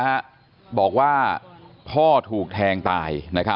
บอกว่าพ่อถูกแทงตาย